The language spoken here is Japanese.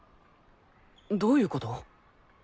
どういうこと？